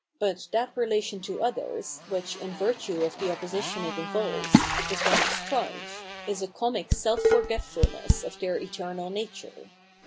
But that relation to others, which, in virtue of the opposition it involves, is one of strife, is a comic self forgetfulness of their eternal nature.